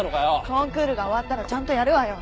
コンクールが終わったらちゃんとやるわよ。